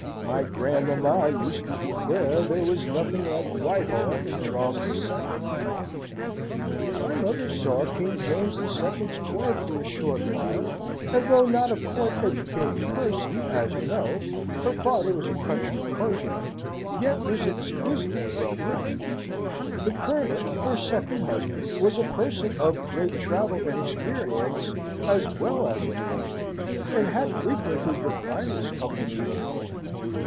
My grandmamma used to declare there was nothing like Whitehall and Charles the Second." "My mother saw King James the Second's court for a short while, and though not a court educated person, as you know, her father was a country clergyman yet was exquisitely well bred. The Colonel, her second husband, was a person of great travel and experience, as well as of learning, and had frequented the finest company of Europe.